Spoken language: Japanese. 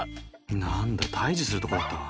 何だ退治するとこだったわ。